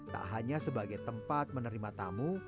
tak hanya sebagai tempat menerima tamu